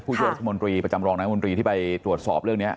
โยรัฐมนตรีประจำรองนายมนตรีที่ไปตรวจสอบเรื่องนี้